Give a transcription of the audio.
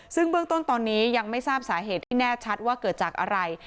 ซึ่งเบื้องต้นตอนนี้ยังไม่ทราบสาเหตุที่แน่ชัดว่าเกิดจากอะไร